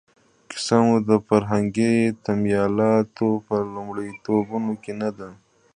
کیسه مو د فرهنګي تمایلاتو په لومړیتوبونو کې نه ده.